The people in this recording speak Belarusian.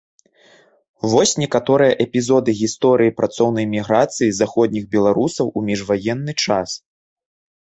Вось некаторыя эпізоды гісторыі працоўнай міграцыі заходніх беларусаў у міжваенны час.